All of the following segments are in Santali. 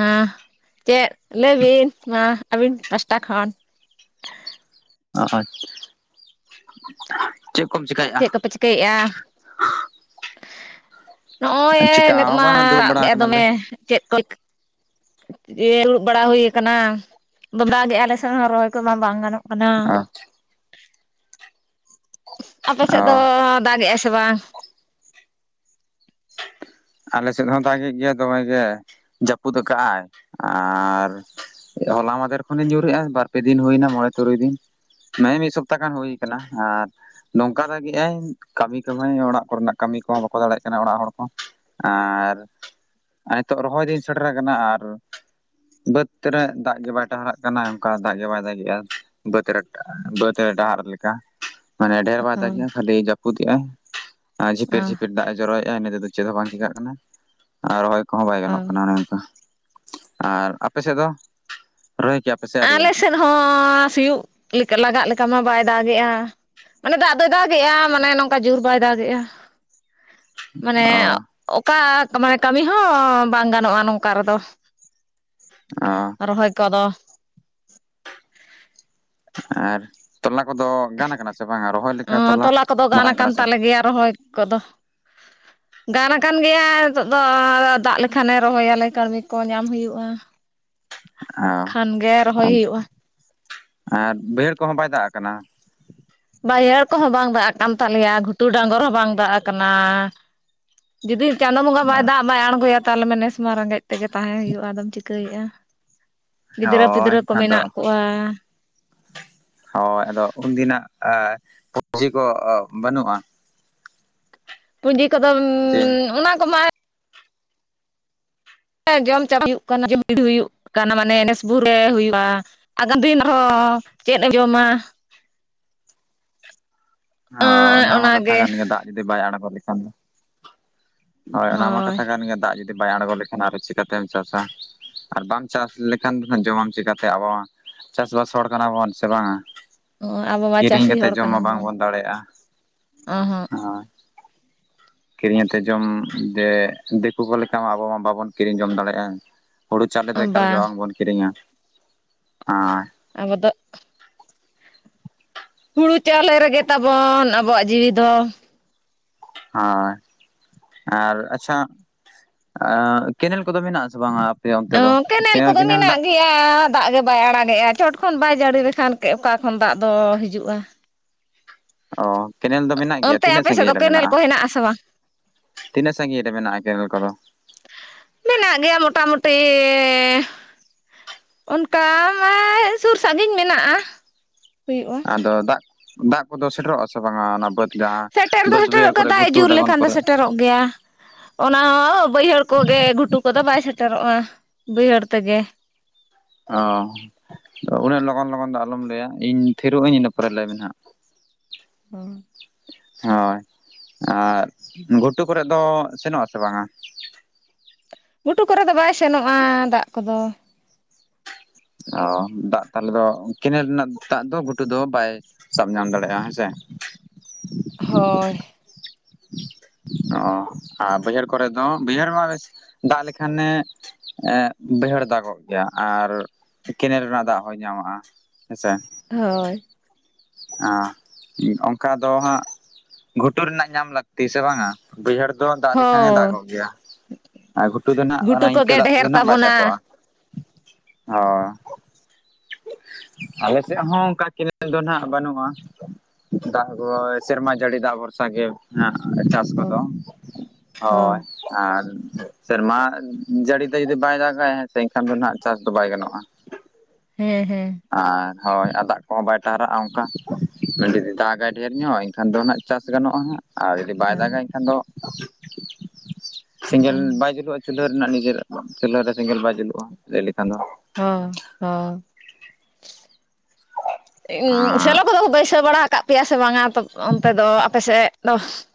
ᱦᱮᱸ ᱪᱮᱫ ᱞᱟᱹᱭ ᱵᱤᱱ ᱢᱟ ᱟᱹᱵᱤᱱ ᱯᱟᱥᱴᱟ ᱠᱷᱚᱱ ᱟᱪ ᱪᱮᱫ ᱠᱚᱢ ᱪᱮᱠᱟᱭ ᱮᱼᱟ? [unintelligible] ᱱᱚᱜᱼᱚᱭ ᱱᱤᱛᱚᱜ ᱪᱤᱠᱟ ᱦᱚᱸ ᱢᱟ ᱵᱟᱝ ᱫᱩᱲᱩᱵ ᱫᱟᱜ ᱵᱟᱲᱟ ᱮ ᱟ ᱫᱚᱢᱮ ᱟᱠᱟᱱᱟᱞᱮ ᱪᱮᱫ ᱠᱚ ᱵᱩᱲᱩᱵ ᱵᱟᱲᱟ ᱦᱩᱭ ᱟᱠᱟᱱᱟ ᱫᱟᱜ ᱜᱮ ᱟᱞᱮ ᱥᱮᱫ ᱦᱚᱸ ᱨᱚᱦᱚᱭ ᱠᱚᱢᱟ ᱵᱟᱝ ᱜᱟᱱᱚᱜ ᱠᱟᱱᱟ ᱟᱯᱮ ᱥᱮᱫ ᱫᱚ ᱚ ᱫᱟᱜ ᱮᱟᱭ ᱥᱮ ᱵᱟᱝ ᱟᱞᱮ ᱥᱮᱫ ᱦᱚᱸ ᱫᱟᱜ ᱜᱮᱫ ᱜᱮᱭᱟ ᱫᱚᱢᱮ ᱜᱮ ᱡᱟᱹᱯᱩᱫ ᱟᱠᱟᱫ ᱟᱭ ᱟᱨ ᱦᱚᱞᱟ ᱢᱟᱫᱷᱮᱨ ᱠᱷᱚᱱᱤᱧ ᱧᱩᱨᱮᱜᱼᱟ ᱵᱟᱨᱯᱮ ᱫᱤᱱ ᱦᱩᱭᱱᱟ ᱢᱚᱬᱮ ᱛᱩᱨᱩᱭ ᱫᱤᱱ ᱢᱮ ᱢᱤᱫ ᱥᱚᱯᱛᱟᱦᱚ ᱜᱟᱱ ᱦᱩᱭ ᱟᱠᱟᱱᱟ ᱟᱨ ᱱᱚᱝᱠᱟ ᱫᱟᱜ ᱮᱼᱟᱭ ᱠᱟᱹᱢᱤ ᱫᱚᱢᱮ ᱚᱲᱟᱜ ᱠᱚᱨᱮᱱᱟᱜ ᱠᱟᱹᱢᱤ ᱠᱚᱦᱚᱸ ᱵᱟᱠᱚ ᱫᱟᱲᱮᱭᱟᱜ ᱠᱟᱱᱟ ᱚᱲᱟᱜ ᱦᱚᱲ ᱠᱚ ᱟᱨ ᱱᱤᱛᱚᱜ ᱨᱚᱦᱚᱭ ᱫᱤᱱ ᱥᱮᱴᱮᱨ ᱟᱠᱟᱱᱟ ᱟᱨ ᱵᱟᱹᱫᱽᱨᱮ ᱫᱟᱜ ᱜᱮ ᱵᱟᱭ ᱴᱟᱦᱟᱨᱟᱜ ᱠᱟᱱᱟ ᱚᱱᱠᱟ ᱫᱟᱜ ᱜᱮ ᱵᱟᱭ ᱫᱟᱜᱤᱜᱼᱟ ᱵᱚᱛ ᱨᱴ ᱵᱚᱛᱤᱨᱴ [unintelligible] ᱦᱟᱨᱞᱤ ᱞᱮᱠᱟ ᱢᱟᱱᱮ ᱰᱷᱮᱨ ᱵᱟᱭ ᱫᱟᱜᱮᱭᱟ ᱠᱷᱟᱹᱞᱤ ᱡᱟᱹᱯᱩᱫ ᱮᱜᱼᱟ ᱟᱨ ᱡᱷᱤᱯᱤᱨ ᱡᱷᱤᱯᱤᱨ ᱫᱟᱜ ᱮ ᱡᱚᱨᱚ ᱴᱟᱭᱤᱢ ᱛᱮᱫᱚ ᱪᱮᱫ ᱦᱚᱸ ᱵᱟᱝ ᱪᱤᱠᱟᱹᱜ ᱠᱟᱱᱟ ᱟᱨ ᱨᱚᱦᱚᱭ ᱠᱚᱦᱚᱸ ᱵᱟᱭ ᱜᱟᱱᱚᱜ ᱠᱟᱱᱟ ᱟᱨ ᱟᱯᱮ ᱥᱮᱫ ᱫᱚ ᱨᱚᱦᱚᱭ ᱠᱮᱭᱟᱯ ᱯᱮᱥᱮ ᱟᱹᱣᱨᱤᱭᱟ ᱟᱞᱮ ᱥᱮᱫ ᱦᱚᱸ ᱥᱤᱭᱩᱜ ᱞᱮᱠᱟ ᱞᱟᱜᱟᱜ ᱞᱮᱠᱟ ᱢᱟ ᱵᱟᱭ ᱫᱟᱜ ᱮᱜᱼᱟ ᱢᱟᱱᱮ ᱫᱟᱜ ᱫᱚᱭ ᱫᱟᱜ ᱮᱜᱼᱟ ᱢᱟᱱᱮ ᱱᱚᱝᱠᱟ ᱡᱩᱨ ᱵᱟᱭ ᱫᱟᱜᱮᱜᱼᱟ ᱢᱟᱱᱮ ᱚ ᱚᱠᱟ ᱠᱟᱹᱢᱤ ᱦᱚᱸ ᱵᱟᱝ ᱜᱟᱱᱚᱜᱼᱟ ᱱᱚᱝᱠᱟ ᱨᱮᱫᱚ ᱚᱸ ᱨᱚᱦᱚᱭ ᱠᱚᱫᱚ ᱟᱨ ᱛᱚᱞᱟ ᱠᱚᱫᱚ ᱜᱟᱱ ᱟᱠᱟᱱᱟ ᱥᱮ ᱵᱟᱝᱟ ᱨᱚᱦᱚᱭ ᱞᱮᱠᱟ ᱛᱚᱞᱟ ᱢᱟᱨᱟᱝ ᱠᱟᱱᱟ ᱥᱮ ᱜᱮ ᱨᱚᱦᱚᱭ ᱠᱚᱫᱚ ᱜᱟᱱ ᱟᱠᱟᱱ ᱜᱮᱭᱟ ᱱᱤᱛᱚᱜ ᱫᱚ ᱫᱟᱜ ᱞᱮᱠᱷᱟᱱᱮ ᱨᱚᱦᱚᱭᱟᱞᱮ ᱠᱟᱹᱬᱢᱤ ᱠᱚ ᱧᱟᱢ ᱦᱩᱭᱩᱜᱼᱟ [inaudible] ᱠᱷᱟᱱ ᱜᱮ ᱨᱚᱦᱚᱭ ᱚᱸ ᱦᱩᱭᱩᱜᱼᱟ ᱟᱨ ᱵᱟᱹᱭᱦᱟᱹᱲ ᱠᱚᱦᱚᱸ ᱵᱟᱭ ᱫᱟᱜ ᱟᱠᱟᱱᱟ ᱵᱟᱭᱦᱟᱹᱲ ᱠᱚᱦᱚᱸ ᱵᱟᱝ ᱫᱟᱜ ᱟᱠᱟᱱ ᱛᱟᱞᱮᱭᱟ ᱜᱷᱩᱴᱩ ᱰᱟᱝᱜᱚᱨ ᱦᱚᱸ ᱵᱟᱝ ᱫᱟᱜ ᱟᱠᱟᱱᱟ ᱡᱩᱫᱤ ᱪᱟᱸᱫᱚᱚ ᱵᱚᱸᱜᱟ ᱵᱟᱭ ᱫᱟᱜ ᱵᱟᱭ ᱟᱬᱜᱚᱭᱟ ᱛᱟᱞᱢᱮ ᱱᱮᱥ ᱢᱟ ᱨᱮᱸᱜᱮᱡ ᱛᱮᱜᱮ ᱛᱟᱦᱮᱸ ᱦᱩᱭᱩᱜᱼᱟ ᱟᱫᱚᱢ ᱪᱤᱠᱟᱹᱭᱮᱫᱼᱟ ᱜᱤᱫᱽᱨᱟᱹ ᱦᱳᱭ ᱯᱤᱫᱽᱨᱟᱹ ᱠᱚ ᱢᱮᱱᱟᱜ ᱠᱚᱣᱟ ᱦᱚᱭ ᱟᱫᱚ ᱩᱱᱫᱤᱱᱟᱜ ᱥᱚᱵᱡᱤ ᱠᱚ ᱵᱟᱹᱱᱩᱜᱼᱟ ᱯᱩᱸᱡᱤ ᱠᱚᱫᱚᱢ ᱫᱤᱱ ᱚᱱᱟ ᱠᱚᱢᱟ ᱡᱚᱢ ᱪᱟᱯ [unintelligible] ᱦᱩᱭᱩᱜ ᱠᱟᱱᱟ ᱡᱚᱢ ᱵᱷᱤᱲᱤ ᱦᱩᱭᱩᱜ ᱠᱟᱱᱟ ᱢᱟᱱᱮ ᱱᱮᱥᱵᱩᱨ ᱨᱮ ᱦᱩᱭᱩᱜᱼᱟ ᱟᱜᱟᱢ ᱫᱤᱱ ᱨᱮᱦᱚᱸ ᱪᱮᱫ ᱮ ᱡᱚᱢᱟ ᱚ ᱦᱮᱸ ᱚᱱᱟ ᱢᱟ ᱠᱟᱛᱷᱟ ᱚᱱᱟᱜᱮ ᱠᱟᱱ ᱜᱮᱭᱟ ᱫᱟᱜ ᱡᱩᱫᱤ ᱵᱟᱭ ᱟᱬᱜᱚ ᱞᱮᱠᱷᱟᱱ ᱫᱚ ᱦᱳᱭ ᱚᱱᱟ ᱢᱟ ᱠᱟᱛᱷᱟ ᱠᱟᱱ ᱜᱮᱭᱟ ᱫᱟᱜ ᱡᱩᱫᱤ ᱵᱟᱭ ᱟᱲᱜᱚ ᱞᱮᱠᱷᱟᱱ ᱟᱨ ᱪᱤᱠᱟᱹᱛᱮᱢ ᱪᱟᱥᱟ ᱟᱨ ᱵᱟᱢ ᱪᱟᱥ ᱞᱮᱠᱷᱟᱱ ᱫᱚ ᱦᱟᱜ ᱡᱚᱢᱟᱢ ᱪᱤᱟᱹᱛᱮ ᱟᱵᱚ ᱪᱟᱥᱵᱟᱥ ᱦᱚᱲ ᱠᱟᱱᱟ ᱵᱚᱱ ᱥᱮ ᱵᱟᱝᱟ ᱚ ᱟᱵᱚ ᱢᱟ ᱪᱟᱹᱥᱤ ᱦᱚᱲ ᱠᱟᱱᱟ ᱵᱚᱱ ᱫᱟᱲᱮᱜᱼᱟ ᱚ ᱦᱚᱸ ᱦᱳᱭ ᱠᱤᱨᱤᱧ ᱟᱛᱮᱫ ᱡᱚᱢ ᱡᱮ ᱫᱤᱠᱩ ᱠᱚ ᱞᱮᱠᱟ ᱢᱟ ᱟᱵᱚ ᱢᱟ ᱵᱟᱵᱚᱱ ᱠᱤᱨᱤᱧ ᱡᱚᱢ ᱫᱟᱲᱮᱭᱟᱜᱼᱟ ᱦᱩᱲᱩ ᱪᱟᱣᱞᱮ ᱫᱚ ᱮᱠᱟᱞ ᱜᱮ ᱵᱟᱝ ᱵᱟᱝᱵᱚᱱ ᱠᱤᱨᱤᱧᱟ ᱟᱨ ᱟᱵᱚ ᱫᱚ ᱦᱩᱲᱩ ᱪᱟᱣᱞᱮ ᱨ ᱮᱜᱮ ᱛᱟᱵᱚᱱ ᱟᱵᱚᱣᱟᱜ ᱡᱤᱣᱤ ᱫᱚ ᱦᱚᱸᱭ ᱟᱨ ᱟᱪᱪᱷᱟ ᱠᱮᱱᱮᱞ ᱠᱚᱫᱚ ᱢᱮᱱᱟᱜ ᱟᱥᱮ ᱵᱟᱝᱟ? ᱚᱱᱛᱮ ᱫᱚ ᱠᱮᱱᱮᱞ ᱠᱮᱱᱮᱞ ᱫᱟᱜ [inaudible] ᱫᱟᱜ ᱜᱮ ᱵᱟᱭ ᱟᱲᱟᱜᱮᱜᱼᱟ ᱪᱚᱴ ᱠᱷᱚᱱ ᱵᱟᱭ ᱡᱟᱹᱲᱤ ᱞᱮᱠᱷᱟᱱ ᱚᱠᱟ ᱠᱷᱚᱱ ᱫᱟᱜ ᱫᱚ ᱦᱤᱡᱩᱜᱼᱟ ᱚ ᱠᱮᱱᱮᱞ ᱫᱚ ᱢᱮᱱᱟᱜ ᱜᱮᱭᱟ ᱚᱱᱛᱮ ᱛᱤᱱᱟᱹᱜ ᱟᱯᱮ ᱥᱮᱫ ᱥᱟᱺᱜᱤᱧ ᱫᱚ ᱨᱮ ᱠᱮᱱᱮᱞ ᱢᱮᱱᱟᱜᱼᱟ? ᱠᱚ ᱦᱮᱱᱟᱜ ᱟᱥᱮ ᱵᱟᱝ ᱛᱤᱱᱟᱹ ᱥᱟᱸᱜᱤᱴ ᱨᱮ ᱢᱮᱱᱟᱜ-ᱟ ᱠᱮᱱᱮᱞ ᱠᱚᱫᱚ? ᱢᱮᱱᱟᱜ ᱜᱮᱭᱟ ᱢᱚᱴᱟ-ᱢᱩᱴᱤ ᱚᱱᱠᱟ ᱢᱟ ᱥᱩᱨ ᱥᱟᱺᱜᱤᱧ ᱢᱮᱱᱟᱜᱼᱟ ᱦᱩᱭᱩᱜᱼᱟ ᱟᱫᱚ ᱫᱟᱜ ᱫᱟᱜ ᱠᱚᱫᱚ ᱥᱮᱴᱮᱨᱚᱜᱼᱟ ᱥᱮ ᱵᱟᱝᱟ ᱚᱱᱟ ᱵᱟᱹᱫᱽ ᱡᱟᱦᱟᱸ ᱥᱮᱴᱮᱨ ᱫᱚ ᱵᱟᱹᱫᱽ ᱵᱟᱹᱭᱦᱟᱹᱲ ᱥᱮᱴᱮᱨᱚᱜ ᱠᱚᱨᱮ ᱠᱟᱱᱟ ᱫᱟᱜ ᱜᱷᱩᱴᱩ ᱡᱳᱨ ᱰᱟᱸᱜᱚᱱ ᱞᱮᱠᱷᱟᱱ ᱫᱚ ᱠᱚᱨᱮ ᱥᱮᱴᱮᱨᱚᱜ ᱜᱮᱭᱟ᱾ ᱚᱱᱟ ᱦᱚᱸ ᱵᱟᱹᱭᱦᱟᱹᱲ ᱠᱚᱜᱮ ᱜᱷᱩᱴᱩ ᱠᱚᱫᱚ ᱵᱟᱭ ᱥᱮᱴᱮᱨᱚᱜᱼᱟ ᱵᱟᱹᱭᱦᱟᱹᱲ ᱛᱮᱜᱮ᱾ ᱚ ᱩᱱᱟᱹᱜ ᱞᱚᱜᱚᱱ ᱞᱚᱜᱚᱱ ᱫᱚ ᱟᱞᱚᱢ ᱞᱟᱹᱭᱟ ᱤᱧ ᱛᱷᱤᱨᱚᱜ ᱟᱹᱧ ᱤᱱᱟᱹ ᱯᱚᱨᱮ ᱞᱟᱹᱭ ᱢᱮ ᱦᱟᱸᱜ᱾ ᱚ ᱦᱳᱭ ᱟᱨ ᱜᱷᱩᱴᱩ ᱠᱚ ᱨᱮ ᱫᱚ ᱥᱮᱱᱚᱜᱼᱟ ᱥᱮ ᱵᱟᱝᱟ? ᱜᱷᱩᱴᱩ ᱠᱚᱨᱮ ᱫᱚ ᱵᱟᱭ ᱥᱮᱱᱚᱜᱼᱟ ᱫᱟᱜ ᱠᱚᱫᱚ᱾ ᱚ ᱫᱟᱜ ᱛᱟᱦᱚᱞᱮ ᱫᱚ ᱠᱮᱱᱮᱞ ᱨᱮᱱᱟᱜ ᱫᱟᱜ ᱫᱚ ᱜᱷᱩᱴᱩ ᱫᱚ ᱵᱟᱭ ᱥᱟᱵ ᱧᱟᱢ ᱫᱟᱲᱮᱭᱟᱜᱼᱟ ᱦᱮᱸᱥᱮ ᱦᱳᱭ ᱚ ᱟᱨ ᱵᱟᱹᱭᱦᱟᱹᱲ ᱠᱚᱨᱮ ᱫᱚ ᱵᱟᱹᱭᱦᱟᱹᱲ ᱢᱟ ᱫᱟᱜ ᱞᱮᱠᱷᱟᱱᱮ ᱵᱟᱹᱭᱦᱟᱹᱲ ᱫᱟᱜᱚᱜ ᱜᱮᱭᱟ ᱟᱨ ᱠᱮᱱᱮᱞ ᱨᱮᱱᱟᱜ ᱫᱟᱜ ᱦᱚᱸᱭ ᱧᱟᱢᱚᱜᱼᱟ᱾ ᱦᱮᱸᱥᱮ᱾ ᱦᱳᱭ ᱚ ᱚᱱᱠᱟ ᱫᱚ ᱦᱟᱸᱜ ᱜᱷᱩᱴᱩ ᱨᱮᱱᱟᱜ ᱧᱟᱢ ᱞᱟᱹᱠᱛᱤ ᱥᱮ ᱵᱟᱝᱼᱟ᱾ ᱵᱟᱹᱭᱦᱟᱹᱲ ᱫᱚ ᱫᱟᱜ ᱞᱮᱠᱷᱟᱱᱮ ᱦᱳᱭ ᱫᱟᱜᱚᱜ ᱜᱮᱭᱟ᱾ ᱟᱨ ᱜᱷᱩᱴᱩ ᱫᱚ ᱦᱟᱸᱜ ᱜᱷᱩᱴᱩ ᱚᱱᱟ ᱤᱱᱠᱟᱹ ᱠᱚᱜᱮ ᱫᱟᱜ ᱰᱷᱮᱨ ᱛᱮᱫᱚ ᱱᱟᱜ ᱵᱟᱭ ᱛᱟᱵᱚᱱᱟ ᱛᱟᱠᱚᱜᱼᱟ᱾ ᱚ ᱟᱞᱮ ᱥᱮᱫ ᱦᱚᱸ ᱚᱱᱠᱟ ᱠᱮᱱᱮᱞ ᱫᱚ ᱱᱟᱜ ᱵᱟᱹᱱᱩᱜᱼᱟ ᱫᱟᱜ ᱠᱚ ᱥᱮᱨᱢᱟ ᱡᱟᱹᱲᱤ ᱫᱟᱜ ᱵᱷᱚᱨᱥᱟ ᱜᱮ ᱦᱟᱸᱜ ᱪᱟᱥ ᱠᱚ ᱚ ᱫᱚ ᱦᱚᱸ ᱦᱳᱭ ᱟᱨ ᱥᱮᱨᱢᱟ ᱡᱟᱹᱲᱤ ᱛᱮ ᱡᱩᱫᱤ ᱵᱟᱭ ᱫᱟᱜᱟ ᱦᱮᱸ ᱥᱮ ᱮᱱᱠᱷᱟᱱ ᱫᱚ ᱱᱟᱜ ᱪᱟᱥ ᱫᱚ ᱵᱟᱭ ᱜᱟᱱᱚᱜᱼᱟ᱾ ᱦᱮᱸ ᱦᱮᱸ ᱟᱨ ᱦᱳᱭ ᱟᱨ ᱫᱟᱜ ᱠᱚᱦᱚᱸ ᱵᱟᱭ ᱴᱟᱨᱦᱟᱜᱼᱟ ᱚᱱᱠᱟ? ᱡᱩᱫᱤ ᱫᱟᱜᱟᱭ ᱰᱷᱮᱨ ᱧᱚᱜ ᱮᱱᱠᱷᱟᱱ ᱫᱚᱱᱟᱜ ᱪᱟᱥ ᱜᱟᱱᱚᱜᱼᱟ ᱦᱟᱸᱜ᱾ ᱟᱨ ᱡᱩᱫᱤ ᱵᱟᱭ ᱦᱳᱭ ᱫᱟᱜᱟ ᱮᱱᱠᱷᱟᱱ ᱫᱚ ᱥᱮᱸᱜᱮᱞ ᱦᱚᱸ ᱵᱟᱭ ᱡᱩᱞᱩᱜᱼᱟ ᱪᱩᱞᱦᱟᱹ ᱨᱮᱱᱟᱜ ᱱᱤᱡᱮᱨ ᱪᱩᱞᱦᱟᱹ ᱨᱮ ᱥᱮᱸᱜᱮᱞ ᱵᱟᱭ ᱡᱩᱞᱩᱜᱼᱟ ᱞᱟᱹᱭ ᱞᱮᱠᱷᱟᱱ ᱫᱚ ᱦᱚᱸ ᱦᱚᱸ [unintelligible] ᱟᱨ ᱥᱮᱞᱚ ᱠᱚᱫᱚ ᱠᱚ ᱵᱟᱹᱭᱥᱟᱹᱣ ᱵᱟᱲᱟ ᱠᱟᱜ ᱯᱮᱭᱟ ᱥᱮ ᱵᱟᱝᱟ ᱚᱱᱛᱮ ᱫᱚ ᱟᱯᱮ ᱥᱮᱫ? [unintelligible]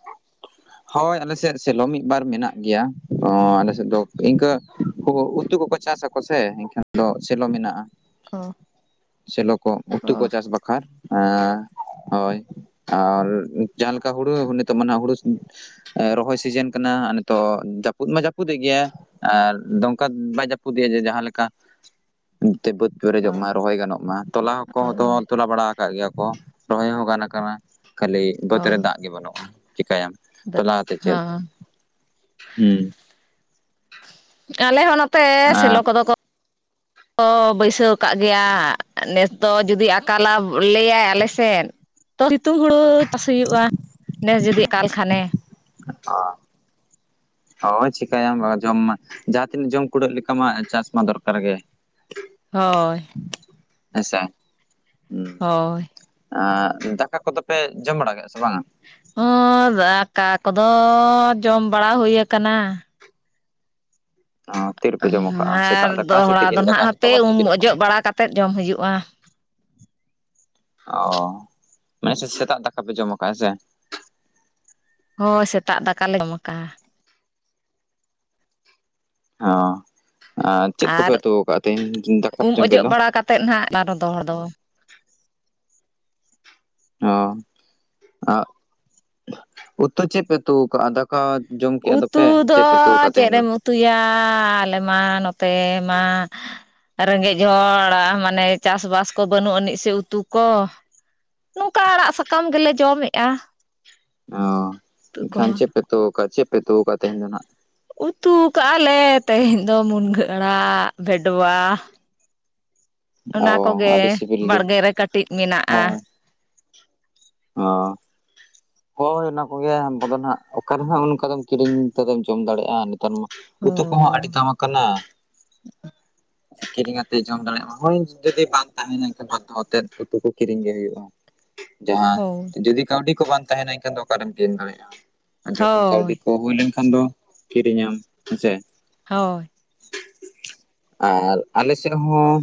ᱦᱳᱭ ᱟᱞᱮᱥᱮᱫ ᱥᱮᱞᱚ ᱢᱤᱫ ᱵᱟᱨ ᱢᱮᱱᱟᱜ ᱜᱮᱭᱟ ᱚᱻ ᱟᱞᱮᱥᱮᱫ ᱫᱚ ᱤᱱᱠᱟᱹᱩ ᱩᱛᱩ ᱠᱚᱠᱚ ᱪᱟᱥᱟ᱾ ᱠᱚ ᱥᱮ ᱮᱱᱠᱷᱟᱱ ᱫᱚ ᱥᱮᱞᱚ ᱢᱮᱱᱟᱜᱼᱟ᱾ ᱚ ᱥᱮᱞᱚ ᱠᱚ ᱚ ᱩᱛᱩ ᱠᱚ ᱪᱟᱥ ᱵᱟᱠ ᱦᱟᱸ ᱮᱸᱻ ᱦᱳᱭ ᱟᱨ ᱡᱟᱦᱟᱸ ᱞᱮᱠᱟ ᱦᱩᱲᱩ ᱱᱤᱛᱚᱜ ᱢᱟᱱᱟᱜ ᱦᱩᱲᱩ ᱨᱚᱦᱚᱭ ᱥᱤᱡᱮᱱ ᱠᱟᱱᱟ ᱱᱤᱛᱚᱜ ᱡᱟᱹᱯᱩᱫ ᱢᱟ ᱡᱟᱹᱯᱩᱫᱮᱫ ᱜᱮᱭᱟ᱾ ᱟᱨ ᱫᱚᱝᱠᱟ ᱵᱟᱭ ᱡᱟᱹᱯᱩᱫᱮᱭᱟ ᱡᱮ ᱡᱟᱦᱟᱸᱞᱮᱠᱟ ᱡᱮ ᱵᱟᱹᱫ ᱚ ᱯᱩᱨᱡᱚᱜ ᱢᱟ ᱨᱚᱦᱚᱭ ᱜᱟᱱᱚᱜ ᱢᱟ ᱛᱚᱞᱟ ᱦᱚᱸᱠᱚ ᱚ ᱛᱚᱞᱟ ᱵᱟᱲᱟ ᱠᱟᱜ ᱜᱮᱭᱟ ᱠᱚ ᱨᱚᱦᱚᱭ ᱦᱚᱸ ᱜᱟᱱ ᱟᱠᱟᱱᱟ ᱠᱷᱟᱹᱞᱤ ᱵᱟᱹᱫᱽ ᱚ ᱨᱮ ᱫᱟᱜ ᱜᱮ ᱵᱟᱹᱱᱩᱜᱼᱟ, ᱪᱤᱠᱟᱭᱟᱢ? ᱛᱟᱦᱚᱞᱮ ᱟᱛᱩ ᱪᱮᱫ? ᱦᱚᱸ ᱦᱩᱸ᱾ ᱟᱞᱮ ᱦᱚᱸ ᱱᱚᱛᱮ ᱟᱨ ᱥᱮᱞᱚ ᱠᱚᱫᱚ ᱠᱚ ᱠᱚ ᱵᱟᱹᱭᱥᱟᱹᱣ ᱠᱟᱜ ᱜᱮᱭᱟ ᱱᱮᱥ ᱫᱚ ᱡᱩᱫᱤ ᱟᱨ ᱠᱟᱞᱟᱵ ᱞᱟᱹᱭᱟᱭ ᱟᱞᱮ ᱥᱮᱱ ᱛᱚ ᱱᱤᱛᱩᱝ ᱦᱳᱲᱳ ᱪᱟᱥ ᱦᱩᱭᱩᱜᱼᱟ᱾ ᱱᱮᱥ ᱡᱩᱫᱤ ᱟᱠᱟᱞ ᱠᱷᱟᱱᱮ᱾ ᱚ᱾ ᱦᱳᱭ ᱪᱤᱠᱟᱹᱭᱟᱢ ᱢᱟ ᱡᱚᱢ ᱢᱟ ᱡᱟᱦᱟᱸ ᱛᱤᱱᱟᱹᱜ ᱡᱚᱢ ᱠᱩᱲᱟᱹᱜ ᱞᱮᱠᱟ ᱢᱟ ᱪᱟᱥ ᱢᱟ ᱫᱚᱨᱠᱟᱨ ᱜᱮ᱾ ᱦᱚᱭ ᱟᱪ ᱪᱷᱟ ᱦᱸ ᱦᱚᱭ ᱟᱼᱫᱟᱠᱟ ᱠᱚᱫᱚ ᱯᱮ ᱡᱚᱢ ᱵᱟᱲᱟ ᱠᱮᱫᱟ ᱥᱮ ᱵᱟᱝᱟ ᱦᱸ ᱫᱟᱠᱟ ᱠᱚᱫᱚ ᱡᱚᱢ ᱵᱟᱲᱟ ᱦᱩᱭ ᱟᱠᱟᱱᱟ ᱚᱸ ᱛᱤᱱ ᱨᱮᱯᱮ ᱡᱚᱢ ᱠᱟᱜᱼᱟ ᱟᱨ ᱥᱮᱛᱟᱜ ᱫᱟᱠᱟ ᱥᱮ ᱫᱚᱦᱲᱟ ᱫᱚ ᱛᱤᱠᱤᱱ ᱫᱟᱠᱟ ᱱᱟᱦᱟᱜ ᱦᱟᱯᱮ ᱱᱤᱛᱚᱜ ᱢᱟ ᱩᱢ ᱛᱤᱠᱤᱱᱚᱜ ᱠᱟᱱᱟᱼ ᱚᱡᱚᱜ ᱵᱟᱲᱟ ᱠᱟᱛᱮᱫ ᱡᱚᱢ ᱦᱩᱭᱩᱜᱼᱟ᱾ ᱚ ᱢᱟᱱᱮ ᱥᱮᱛᱟᱜ ᱫᱟᱠᱟ ᱯᱮ ᱡᱚᱢ ᱟᱠᱟᱫᱼᱟ ᱦᱮᱸ ᱥᱮ? ᱦᱚᱭ ᱥᱮᱛᱟᱜ ᱫᱟᱠᱟ ᱞᱮ ᱡᱚᱢ ᱟᱠᱟᱜᱼᱟ ᱚ ᱸ ᱟᱨ ᱪᱮᱫ ᱠᱚᱯᱮ ᱩᱛᱩ ᱟᱠᱟᱫ ᱛᱮᱦᱮᱧ ᱫᱟᱠᱟ ᱯᱮ ᱡᱚᱢ ᱠᱮᱫ ᱫᱚ? ᱛᱮᱜ ᱱᱟᱦᱟᱜ ᱟᱨᱚ ᱫᱚ ᱦᱚᱲ ᱫᱚ᱾ ᱚᱸ ᱟᱸᱜ ᱩᱛᱩ ᱪᱮᱜ ᱯᱮ ᱩᱛᱩᱣ ᱠᱟᱜᱼᱟ? ᱫᱟᱠ ᱠᱟ ᱡᱚᱢ ᱠᱮᱜ ᱫᱚᱯᱮ ᱪᱮᱜ ᱯᱮ, ᱪᱮᱫ ᱯᱮ ᱩᱛᱩᱣ ᱠᱟ ᱛᱮᱦᱮᱧ ᱫᱚ? ᱛᱩᱭᱟ ᱟᱞᱮ ᱢᱟ ᱱᱚᱛᱮ ᱢᱟ ᱨᱮᱸᱜᱮᱡ ᱦᱚᱲ ᱟ ᱢᱟᱱᱮ ᱪᱟᱥ ᱵᱟᱥ ᱠᱚ ᱵᱟᱹᱱᱩᱜ ᱟᱹᱱᱤᱡ ᱥᱮ ᱩᱛᱩ ᱠᱚ᱾ ᱱᱚᱝᱠᱟ ᱟᱲᱟᱜ ᱥᱟᱠᱟᱢ ᱜᱮᱞᱮ ᱡᱚᱢ ᱮᱜᱼᱟ᱾ ᱚᱸ ᱮᱱᱠᱷᱟᱱ ᱪᱮᱫ ᱯᱮ ᱩᱛᱩ ᱠᱟᱜ ᱪᱮᱫ ᱯᱮ ᱩᱛᱩ ᱠᱟᱜ ᱛᱮᱦᱮᱧ ᱫᱚ ᱱᱟᱜ? ᱩᱛᱩ ᱠᱟᱜᱼᱟ ᱞᱮ ᱛᱮᱦᱮᱧ ᱫᱚ ᱢᱩᱱᱜᱟᱹ ᱟᱲᱟᱜ, ᱵᱷᱮᱰᱣᱟ᱾ ᱚᱱᱟ ᱚ ᱟᱹᱰᱤ ᱠᱚᱜᱮ ᱥᱤᱵᱤᱞ ᱜᱮ, ᱵᱟᱲᱜᱮ ᱨᱮ ᱠᱟᱹᱴᱤᱡ ᱢᱮᱱᱟᱜᱼᱟ ᱦᱳᱭ᱾ ᱚᱸ᱾ ᱦᱳᱭ ᱚᱱᱟ ᱠᱚᱜᱮ ᱟᱱᱛᱟᱵᱚᱱ ᱦᱟᱸᱜ ᱚᱠᱟᱨᱮ ᱦᱚ ᱚᱱᱠᱟ ᱫᱚᱢ ᱠᱤᱨᱤᱧ ᱛᱮᱫᱚᱧ ᱡᱚᱢ ᱫᱟᱲᱮᱜᱼᱟ᱾ ᱛᱮ ᱢᱟ ᱦᱳ ᱩᱛᱩ ᱠᱚᱦᱚᱸ ᱟᱹᱰᱤ ᱫᱟᱢ ᱟᱠᱟᱱᱟ, ᱠᱤᱨᱤᱧ ᱟᱛᱮ ᱡᱚᱢ ᱫᱟᱲᱮᱭᱟᱜ ᱢᱟ ᱦᱳᱭ ᱡᱩᱫᱤ ᱵᱟᱝ ᱛᱟᱦᱮᱱᱟ ᱮᱱᱠᱷᱟᱱ [unintelligible] ᱛᱮᱫ ᱩᱛᱩ ᱠᱚ ᱠᱤᱨᱤᱧ ᱜᱮ ᱦᱩᱭᱩᱜᱼᱟ᱾ ᱡᱟᱦᱟᱸ ᱦᱳᱭ ᱡᱩᱫᱤ ᱠᱟᱹᱣᱰᱤ ᱠᱚ ᱵᱟᱝ ᱛᱟᱦᱮᱱᱟ ᱮᱱᱠᱷᱟᱱ ᱫᱚ ᱚᱠᱟᱨᱮᱢ ᱠᱮᱨᱮᱧ ᱫᱟᱲᱮᱭᱟᱜᱼᱟ᱾ ᱡᱚᱠᱷᱚᱱ ᱠᱟᱹᱣᱰᱤ ᱦᱳᱭ ᱠᱚ ᱦᱩᱭ ᱞᱮᱱᱠᱷᱟᱱ ᱫᱚ ᱠᱤᱨᱤᱧᱟᱢ ᱦᱮᱸᱥᱮ? ᱦᱳᱭ᱾ ᱟᱨ ᱟᱞᱮ ᱥᱮᱫ ᱦᱚᱸ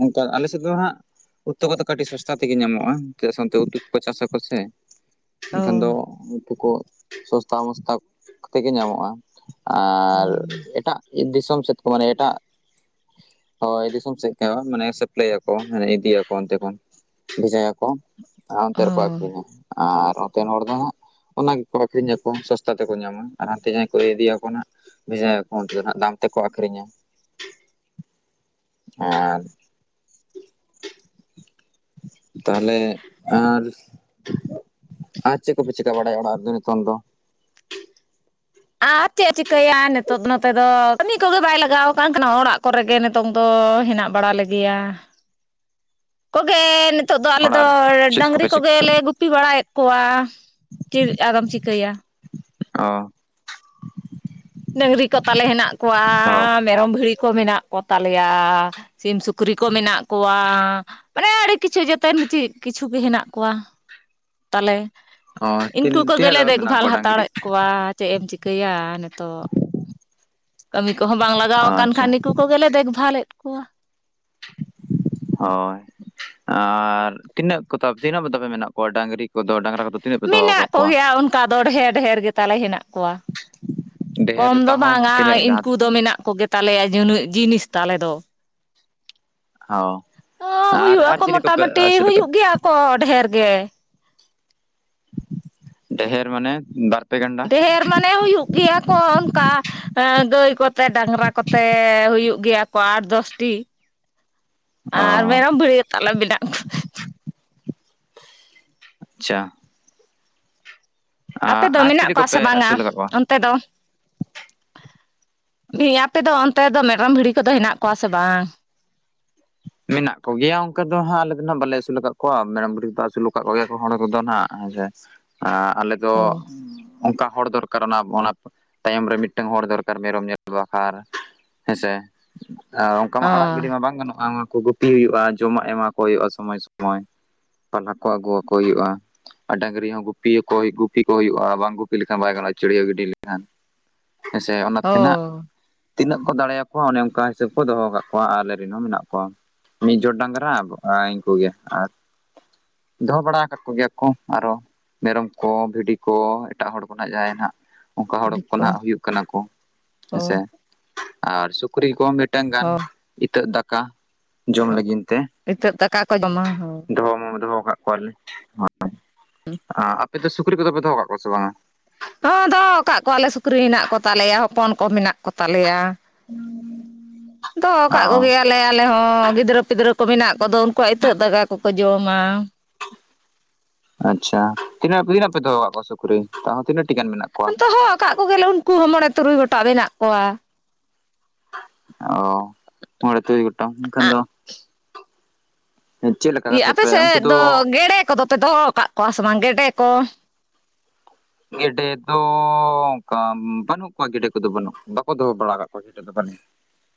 ᱢᱤᱛᱟᱭ ᱟᱞᱮ ᱥᱮᱫ ᱫᱚ ᱦᱟᱜ ᱩᱛᱩ ᱠᱚᱫᱚ ᱠᱟᱹᱴᱤᱡ ᱥᱚᱥᱛᱟ ᱛᱮᱜᱮ ᱧᱟᱢᱚᱜᱼᱟ, ᱪᱮᱫᱟᱜ ᱥᱮ ᱚᱱᱛᱮ ᱩᱛᱩ ᱠᱚᱠᱚ ᱪᱟᱥᱟ ᱠᱚ ᱥᱮ᱾ ᱚ ᱮᱱᱠᱷᱟᱱ ᱫᱚ ᱩᱛᱩ ᱠᱚ ᱥᱚᱥᱛᱟ ᱢᱚᱥᱛᱟ ᱠᱟᱛᱮ ᱜᱮ ᱧᱟᱢᱚᱜᱼᱟ᱾ ᱚ ᱟᱨ ᱮ-ᱮᱴᱟᱜ ᱵᱤᱨ ᱫᱤᱥᱚᱢ ᱥᱮᱫ ᱠᱚ ᱢᱟᱱᱮ ᱮᱴᱟᱜ ᱦᱚᱭ ᱫᱤᱥᱚᱢ ᱥᱮᱫ ᱦᱮ ᱢᱟᱱᱮ ᱥᱮᱯᱞᱮᱭ ᱟᱠᱚ ᱢᱟᱱᱮ ᱤᱫᱤᱭᱟᱠᱚ ᱚᱱᱛᱮ ᱠᱷᱚᱱ ᱵᱷᱮᱡᱟᱭᱟᱠᱚ᱾ ᱦᱚᱱᱛᱮ ᱨᱮᱠᱚ ᱚ ᱟᱠᱷᱨᱤᱧᱟ ᱟᱨ ᱚᱛᱮᱱ ᱦᱚᱲ ᱫᱚ ᱦᱟᱸᱜ ᱚᱱᱟ ᱜᱮᱠᱚ ᱟᱠᱷᱨᱤᱧᱟ ᱠᱚ ᱥᱚᱥᱛᱟ ᱛᱮᱠᱚ ᱧᱟᱢᱟ, ᱟᱨ ᱦᱟᱱᱛᱮ ᱡᱟᱦᱟᱸᱭ ᱠᱚ ᱤᱫᱤᱭᱟ ᱠᱚ ᱱᱟᱦᱟᱜ [inaudible] ᱫᱟᱢ ᱛᱮᱠᱚ ᱟᱠᱷᱨᱤᱧᱟ᱾ ᱟᱨ [inaudible] ᱛᱟᱦᱚᱞᱮ ᱟᱨ ᱟᱨ ᱪᱮᱜ ᱠᱚᱯᱮ ᱪᱮᱠᱟ ᱵᱟᱲᱟᱭᱟ ᱚᱲᱟᱜ ᱨᱮᱫᱚ ᱱᱤᱛᱚᱝ ᱫᱚ? ᱟᱨ ᱪᱮᱜ ᱮ ᱪᱤᱠᱟᱹᱭᱟ ᱱᱤᱛᱚᱜ ᱱᱚᱛᱮ ᱫᱚ ᱠᱟᱹᱢᱤ ᱠᱚᱜᱮ ᱵᱟᱭ ᱞᱟᱜᱟᱣ ᱠᱟᱱ ᱠᱷᱟᱱ ᱚᱲᱟᱜ ᱠᱚᱨᱮᱜᱮ ᱱᱮ ᱛᱚᱝ ᱫᱚ ᱦᱮᱱᱟᱜ ᱵᱟᱲᱟ ᱞᱮᱜᱮᱭᱟ, ᱠᱚᱜᱮ ᱛᱚᱜ ᱫᱚ ᱟᱞᱮᱫᱚ ᱚᱲᱟᱜ ᱪᱮᱫ ᱰᱟᱹᱝᱨᱤ ᱠᱚᱯᱮ ᱠᱚᱜᱮ ᱪᱤᱠᱟᱹ ᱞᱮ ᱜᱩᱯᱤ ᱵᱟᱲᱟᱭᱮᱫ ᱠᱚᱣᱟ᱾ ᱪᱤᱜ ᱟᱫᱚᱢ ᱪᱤᱠᱟᱹᱭᱟ? ᱚ ᱰᱟᱹᱝᱨᱤ ᱠᱚ ᱛᱟᱞᱮ ᱦᱮᱱᱟᱜ ᱠᱚᱣᱟ ᱚ ᱢᱮᱨᱚᱢ ᱵᱷᱤᱲᱤ ᱠᱚ ᱢᱮᱱᱟᱜ ᱠᱚᱛᱟᱞᱮᱭᱟ ᱥᱤᱢ ᱥᱩᱠᱨᱤ ᱠᱚ ᱢᱮᱱᱟᱜ ᱠᱚᱣᱟ᱾ ᱢᱟᱱᱮ ᱟᱹᱰᱤ ᱠᱤᱪᱷᱩ ᱡᱮᱛᱮᱱ ᱠᱤᱪᱷᱩ ᱜᱮ ᱦᱮᱱᱟᱜ ᱠᱚᱣᱟ ᱛᱟᱞᱮ ᱚ ᱛᱤᱱ ᱩᱱᱠᱩ ᱛᱤᱱᱟᱹᱜ ᱠᱚᱜᱮᱞᱮ ᱫᱷᱟᱵᱤᱡ ᱢᱮᱱᱟᱜ ᱫᱮᱠᱵᱷᱟᱞ ᱠᱚᱣᱟ ᱰᱟᱝᱨᱤ ᱦᱟᱛᱟᱲᱮᱫ ᱠᱚᱣᱟ ᱪᱮᱫ ᱮᱢ ᱪᱤᱠᱟᱹᱭᱟ ᱱᱤᱛᱚᱜ ᱠᱟᱹᱢᱤ ᱠᱚᱦᱚᱸ ᱵᱟᱝ ᱞᱟᱜᱟᱣ ᱟᱠᱟᱱ ᱟᱪᱪᱷᱟ ᱠᱷᱟᱱ ᱱᱩᱠᱩ ᱠᱚᱜᱮᱞᱮ ᱫᱮᱠᱵᱷᱟᱞᱮᱫ ᱠᱚᱣᱟ᱾ ᱦᱳᱭ ᱟᱨ ᱛᱤᱱᱟᱹᱜ ᱛᱤᱱᱟᱹᱜ ᱠᱚ ᱛᱟᱯᱮ ᱢᱮᱱᱟᱜ ᱠᱚᱣᱟ ᱰᱟᱝᱨᱤ ᱠᱚᱫᱚ ᱰᱟᱝᱨᱟ ᱠᱚᱫᱚ ᱛᱤᱱᱟᱹᱜ ᱯᱮ ᱫᱚᱦᱚ ᱢᱮᱱᱟᱜ ᱟᱠᱟᱫ ᱠᱚᱣᱟ ᱠᱚᱜᱮᱭᱟ ᱚᱱᱠᱟ ᱫᱚ ᱰᱷᱮᱨ ᱰᱷᱮᱨ ᱜᱮᱛᱟᱞᱮ ᱦᱮᱱᱟᱜ ᱠᱚᱣᱟ᱾ ᱰᱷᱮᱨ ᱠᱚᱢ ᱫᱚ ᱛᱟᱦᱚᱸ ᱵᱟᱝ-ᱟ ᱛᱤᱱᱟᱹᱜ ᱡᱟᱦᱟᱸ ᱤᱱᱠᱩ ᱫᱚ ᱢᱮᱱᱟᱜ ᱠᱚᱜᱮ ᱛᱟᱞᱮᱭᱟ ᱱᱩᱱᱟᱹᱜ ᱡᱤᱱᱤᱥ ᱛᱟᱞᱮ ᱫᱚ᱾ ᱦᱚᱸ᱾ ᱚ ᱦᱩᱭᱩᱜ ᱟᱠᱚ ᱢᱚᱴᱟᱢᱩᱴᱤ ᱦᱩᱭᱩᱜ ᱜᱮᱭᱟ ᱠᱚ ᱰᱷᱮᱨ ᱜᱮ᱾ ᱰᱷᱮᱨ ᱢᱟᱱᱮ ᱵᱟᱨ ᱰᱷᱮᱨ ᱢᱟᱱᱮ ᱦᱩᱭᱩᱜ ᱜᱮᱭᱟ ᱠᱚ ᱚᱱᱠᱟ ᱟᱸ ᱜᱟᱹᱭ ᱠᱚᱛᱮ ᱰᱟᱝᱨᱟ ᱠᱚᱛᱮ ᱦᱩᱭᱩᱜ ᱜᱮᱭᱟ ᱠᱚ ᱟᱴᱚ ᱫᱚᱥᱴᱤ᱾ ᱟᱨ ᱚ ᱢᱮᱨᱚᱢ ᱵᱷᱮ ᱛᱟᱞᱮ ᱵᱮᱱᱟᱜ [inaudible] ᱪᱷᱟ᱾ ᱟᱯᱮ ᱫᱚ ᱟᱨ ᱢᱮᱱᱟᱜ ᱪᱤᱞᱤ ᱠᱚᱣᱟ ᱠᱚᱯᱮ ᱥᱮ ᱵᱟᱝ-ᱟ ᱟᱹᱥᱩᱞ ᱟᱠᱟᱫ ᱠᱚᱣᱟ ᱚᱱᱛᱮ ᱫᱚ? ᱦᱮᱸ ᱟᱯᱮ ᱫᱚ ᱚᱱᱛᱮ ᱫᱚ ᱢᱮᱨᱚᱢ ᱵᱷᱤᱰᱤ ᱠᱚᱫᱚ ᱦᱮᱱᱟᱜ ᱠᱚᱣᱟ ᱥᱮ ᱵᱟᱝ? ᱢᱮᱱᱟᱜ ᱠᱚ ᱜᱮᱭᱟ ᱚᱱᱠᱟ ᱫᱚ ᱦᱟᱸᱜ ᱟᱞᱮ ᱫᱚ ᱵᱟᱞᱮ ᱟᱹᱥᱩᱞ ᱟᱠᱟᱫ ᱠᱚᱣᱟ ᱢᱮᱨᱚᱢ ᱵᱷᱤᱰᱤ ᱠᱚᱫᱚ ᱟᱹᱥᱩᱞ ᱟᱠᱟᱫ ᱠᱚᱜᱮᱭᱟ ᱦᱚᱲ ᱠᱚᱫᱚ ᱦᱟᱸᱜ᱾ [inaudible] ᱟᱞᱮ ᱫᱚ ᱦᱳᱭ ᱚᱱᱠᱟ ᱦᱚᱲ ᱫᱚᱨᱠᱟᱨ ᱚᱱᱟ ᱚᱱᱟ ᱛᱟᱭᱚᱢ ᱨᱮ ᱢᱤᱫᱴᱟᱝ ᱦᱚᱲ ᱫᱚᱨᱠᱟᱨ ᱢᱮᱨᱚᱢ ᱧᱮᱞ ᱵᱟᱠᱷᱟᱨ ᱦᱮᱸᱥᱮ ᱟᱨ ᱚᱱᱠᱟ ᱢᱟ ᱟᱲᱟᱜ ᱜᱤᱰᱤ ᱢᱟ ᱵᱟᱝ ᱜᱟᱱᱚᱜᱼᱟ᱾ ᱜᱩᱯᱤ ᱦᱩᱭᱩᱜᱼᱟ ᱡᱚᱢᱟᱜ ᱮᱢᱟ ᱠᱚ ᱦᱩᱭᱩᱜᱼᱟ ᱥᱚᱢᱚᱭ ᱥᱚᱢᱚᱭ ᱯᱟᱞᱦᱟ ᱠᱚ ᱟᱹᱜᱩᱣᱟ ᱠᱚ ᱦᱩᱭᱩᱜᱼᱟ᱾ ᱟᱨ ᱰᱟᱝᱨᱤ ᱦᱚᱸ ᱜᱩ- ᱜᱩᱯᱤ ᱠᱚ ᱦᱩᱭᱩᱜᱼᱟ ᱵᱟᱝ ᱜᱩᱯᱤ ᱞᱮᱠᱷᱟᱱ ᱵᱟᱭ ᱜᱟᱱᱚᱜᱼᱟ ᱪᱟᱲᱤᱭᱟ ᱦᱚᱸ ᱜᱤᱰᱤ ᱞᱮᱠᱷᱟᱱ ᱦᱮᱸᱥᱮ ᱚᱱᱟ ᱛᱮᱱᱟᱜ ᱦᱳᱭ ᱛᱤᱱᱟᱹᱜ ᱠᱚ ᱫᱟᱲᱮᱭᱟᱠᱚᱣᱟ ᱚᱱᱮ ᱚᱱᱠᱟ ᱦᱤᱥᱟᱹᱵ ᱠᱚ ᱫᱚᱦᱚ ᱟᱠᱟᱫ ᱠᱚᱣᱟ ᱟᱞᱮ ᱨᱮᱱ ᱦᱚᱸ ᱢᱮᱱᱟᱜ ᱠᱚᱣᱟ᱾ ᱢᱤᱫ ᱡᱳᱨ ᱰᱟᱝᱜᱽᱨᱟ ᱩᱱᱠᱩ ᱜᱮ ᱟᱨ ᱫᱚᱦᱚ ᱵᱟᱲᱟ ᱟᱠᱟᱫ ᱠᱚᱜᱮᱭᱟ ᱠᱚ ᱟᱨᱚ ᱢᱮᱨᱚᱢ ᱠᱚ ᱵᱷᱤᱰᱤ ᱠᱚ ᱮᱴᱟᱜ ᱦᱚᱲ ᱠᱚᱱᱟᱜ ᱡᱟᱦᱟᱸᱭ ᱱᱟ ᱦᱟᱸᱜ ᱚᱱᱠᱟ ᱦᱚᱲ ᱠᱚ ᱦᱟᱸᱜ ᱦᱩᱭᱩᱜ ᱠᱟᱱᱟ ᱠᱚ ᱦᱳᱭ ᱦᱮᱸᱥᱮ ᱟᱨ ᱥᱩᱠᱨᱤ ᱠᱚ᱾ ᱢᱤᱫᱴᱟᱝ ᱜᱟᱱ ᱦᱳᱭ ᱤᱛᱟᱹᱜ ᱫᱟᱠᱟ ᱡᱚᱢ ᱞᱟᱹᱜᱤᱫ ᱛᱮ ᱱᱤᱛᱚᱜ ᱫᱟᱠᱟ ᱠᱚ ᱡᱚᱢᱟ ᱦᱳᱭ ᱫᱚᱦᱚ ᱢᱟ ᱫᱚᱦᱚ ᱟᱠᱟᱫ ᱠᱚᱣᱟᱞᱮ ᱦᱳᱭ ᱟᱨ ᱟᱯᱮ ᱫᱚ ᱥᱩᱠᱨᱤ ᱠᱚᱫᱚ ᱯᱮ ᱫᱚᱦᱚ ᱠᱟᱜ ᱠᱚᱣᱟ ᱥᱮ ᱵᱟᱝ-ᱟ? ᱦᱚᱸ ᱫᱚᱦᱚ ᱟᱠᱟᱫ ᱠᱚᱣᱟᱞᱮ ᱥᱩᱠᱨᱤ ᱢᱮᱱᱟᱜᱮ ᱠᱚᱛᱟᱞᱮᱭᱟ ᱦᱚᱯᱚᱱ ᱠᱚ ᱢᱮᱱᱟᱜ ᱠᱚᱛᱟᱞᱮᱭᱟ᱾ ᱫᱚᱦᱚ ᱠᱟᱜ ᱚ ᱠᱚᱜᱮᱭᱟᱞᱮ ᱟᱞᱮ ᱦᱚᱸ ᱜᱤᱫᱽᱨᱟᱹ ᱯᱤᱫᱽᱨᱟᱹ ᱠᱚ ᱢᱮᱱᱟᱜ ᱠᱚᱫᱚ ᱩᱱᱠᱩᱣᱟᱜ ᱤᱛᱟᱹᱜ ᱫᱟᱜᱟ ᱠᱚᱠᱚ ᱡᱚᱢᱟ᱾ ᱟᱪᱪᱷᱟ ᱛᱤᱱᱟᱹᱜ ᱛᱤᱱᱟᱜ ᱯᱮ ᱫᱚᱦᱚ ᱟᱠᱟ ᱠᱚᱣᱟ ᱥᱩᱠᱨᱤ ᱛᱟᱣ ᱛᱤᱱᱟᱹᱜ ᱴᱤ ᱜᱟᱱ ᱢᱮᱱᱟᱜ ᱠᱚᱣᱟ ᱫᱚᱦᱚ ᱟᱠᱟᱫ ᱠᱚ ᱜᱮᱞᱮ ᱩᱱᱠᱩ ᱦᱚᱸ ᱢᱚᱬᱮ ᱛᱩᱨᱩᱭ ᱜᱚᱴᱟ ᱢᱮᱱᱟᱜ ᱠᱚᱣᱟ᱾ ᱚ ᱢᱚᱬᱮ ᱛᱩᱨᱩᱭ ᱜᱚᱴᱟᱝ ᱪᱮᱫ ᱞᱮᱠᱟ ᱤᱭᱟᱹ ᱠᱟᱛᱮ ᱟᱯᱮ ᱯᱮ ᱩᱱᱠᱩ ᱥᱮᱫ ᱫᱚ ᱜᱮᱰᱮ ᱠᱚᱫᱚ ᱯᱮ ᱫᱚᱦᱚ ᱟᱠᱟᱫ ᱠᱚᱣᱟ ᱥᱮ ᱵᱟᱝ ᱜᱮᱰᱮ ᱠᱚ ᱜᱮᱰᱮ ᱫᱚ ᱚᱱᱠᱟ ᱵᱟᱹᱱᱩᱜ ᱠᱚᱣᱟ ᱜᱮᱰᱮ ᱠᱚᱫᱚ ᱵᱟᱹᱱᱩᱜ ᱵᱟᱠᱚ ᱫᱚᱦᱚ ᱵᱟᱲᱟ ᱠᱟᱫ ᱠᱚᱣᱟ᱾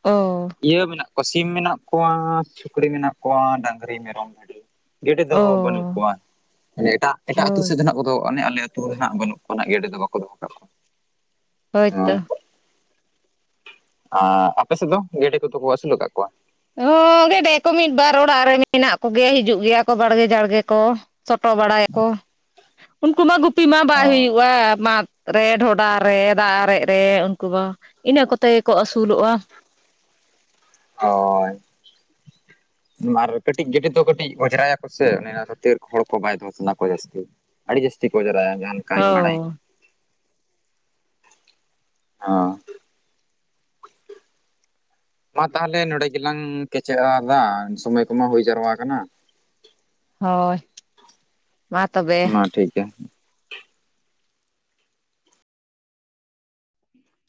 ᱚ ᱤᱭᱟᱹ ᱢᱮᱱᱟᱜ ᱠᱚ ᱥᱤᱢ ᱢᱮᱱᱟᱜ ᱠᱚᱣᱟ ᱥᱩᱠᱨᱤ ᱢᱮᱱᱟᱜ ᱠᱚᱣᱟ ᱰᱟᱝᱨᱤ ᱢᱮᱨᱚᱢ ᱵᱷᱤᱰᱤ ᱜᱮᱰᱮ ᱫᱚ ᱚ ᱵᱟᱹᱱᱩᱜ ᱠᱚᱣᱟ ᱢᱟᱱᱮ ᱮᱴᱟᱜ ᱮᱴᱟᱜ ᱟᱹᱛᱩ ᱦᱳᱭ ᱥᱮᱫ ᱫᱚ ᱱᱟᱜ ᱟᱠᱮ ᱟᱛᱩᱼᱼᱼ ᱱᱟᱜ ᱵᱟᱹᱱᱩᱜ ᱠᱚᱣᱟᱱᱟᱜ ᱜᱮᱰᱮ ᱫᱚ ᱵᱟᱠᱚ ᱫᱚᱦᱚ ᱠᱟᱜ ᱡᱚᱣᱟ᱾ ᱦᱳᱭ ᱛᱚ ᱟᱨ ᱟᱯᱮ ᱥᱮᱫ ᱫᱚ ᱜᱮᱰᱮ ᱠᱚᱫᱚ ᱠᱚ ᱟᱹᱥᱩᱞ ᱟᱠᱟᱫ ᱠᱚᱣᱟ ᱚ ᱜᱮᱰᱮ ᱠᱚ ᱢᱤᱫ ᱵᱟᱨ ᱚᱲᱟᱜ ᱨᱮ ᱢᱮᱱᱟᱜ ᱠᱚᱜᱮᱭᱟ ᱦᱤᱡᱩᱜ ᱜᱮᱭᱟ ᱠᱚ ᱵᱟᱲᱜᱮ ᱡᱲᱜᱮ ᱠᱚ ᱪᱚᱴᱚ ᱵᱟᱲᱟᱭᱟᱠᱚ ᱩᱱᱠᱩ ᱢᱟ ᱜᱩᱯᱤ ᱢᱟ ᱵᱟᱭ ᱦᱩᱭᱩᱜᱼᱟ ᱢᱟ ᱨᱮ ᱰᱷᱚᱰᱟ ᱨᱮ ᱫᱟᱜ ᱟᱨᱮᱡᱽ ᱨᱮ ᱩᱱᱠᱩ ᱵᱟ ᱤᱱᱟᱹ ᱠᱚᱛᱮ ᱜᱮ ᱠᱚ ᱟᱹᱥᱩᱞᱚᱜᱼᱟ ᱦᱳᱭ [inaudible] ᱟᱨ ᱠᱟᱹᱴᱤᱡ ᱜᱮᱰᱮ ᱜᱟᱹᱴᱤᱡ ᱫᱚ ᱠᱟᱹᱴᱤᱡ ᱚᱡᱽᱟᱭᱟᱠᱚ ᱥᱮ ᱚᱱᱟ ᱠᱷᱟᱹᱛᱤᱨ ᱦᱚᱲ ᱠᱚ ᱵᱟᱭ ᱫᱚᱦᱚ ᱥᱟᱱᱟ ᱠᱚᱣᱟ ᱡᱟᱹᱥᱛᱤ ᱟᱹᱰᱤ ᱡᱟᱹᱥᱛᱤ ᱠᱚ ᱚᱡᱽᱨᱟᱭᱟᱠᱚ ᱦᱚ ᱚ [inaudible] [inaudible] ᱢᱟ ᱛᱟᱦᱚᱞᱮ ᱱᱚᱰᱮ ᱜᱮᱞᱟᱝ ᱠᱮᱪᱮᱫᱟ ᱥᱚᱢᱚᱭ ᱠᱚᱢᱟ ᱦᱩᱭ ᱡᱟᱣᱨᱟ ᱟᱠᱟᱱᱟ ᱦᱳᱭ ᱢᱟ ᱛᱚᱵᱮ ᱢᱟ ᱴᱷᱤᱠ ᱜᱮᱭᱟ᱾